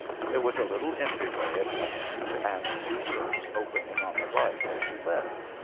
There was a little entry way at one end, and two rooms opening on the right as you went.